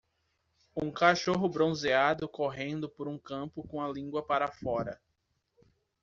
um cachorro bronzeado correndo por um campo com a língua para fora